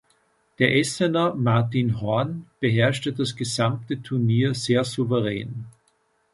Der Essener Martin Horn beherrschte das gesamte Turnier sehr souverän.